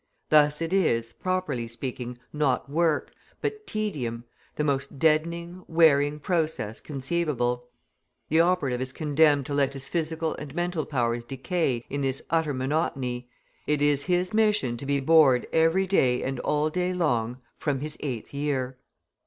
Thus it is, properly speaking, not work, but tedium, the most deadening, wearing process conceivable. The operative is condemned to let his physical and mental powers decay in this utter monotony, it is his mission to be bored every day and all day long from his eighth year.